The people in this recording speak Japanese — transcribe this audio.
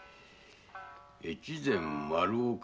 越前丸岡